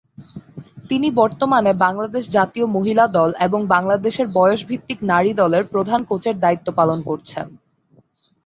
তিনি বর্তমানে বাংলাদেশ জাতীয় মহিলা দল এবং বাংলাদেশের বয়সভিত্তিক নারী দলের প্রধান কোচের দায়িত্ব পালন করছেন।